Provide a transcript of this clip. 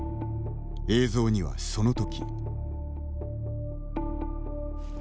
映像にはその時。